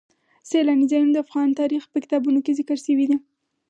سیلانی ځایونه د افغان تاریخ په کتابونو کې ذکر شوی دي.